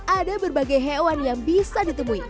ada berbagai hewan yang bisa ditemui